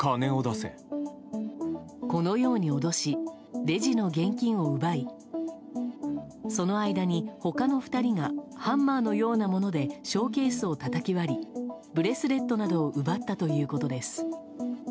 このように脅しレジの現金を奪いその間に、他の２人がハンマーのようなものでショーケースをたたき割りブレスレットなどを奪ったということです。